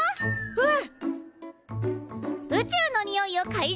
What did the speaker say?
うん。